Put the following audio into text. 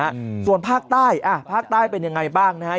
อืมส่วนภาคใต้อ่าภาคใต้เป็นยังไงบ้างนะฮะ